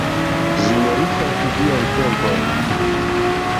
Ĝi meritas vian tempon.